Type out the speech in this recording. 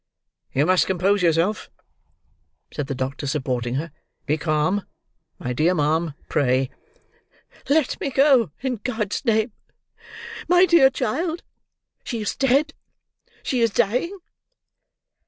"You must compose yourself," said the doctor supporting her. "Be calm, my dear ma'am, pray." "Let me go, in God's name! My dear child! She is dead! She is dying!"